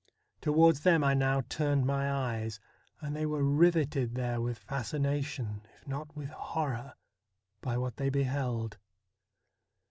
Towards them I now turned my eyes, and they were riveted there with fascination, if not with horror, by what they beheld.